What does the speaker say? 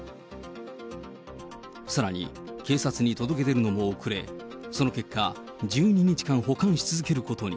さらに、警察に届け出るのも遅れ、その結果、１２日間保管し続けることに。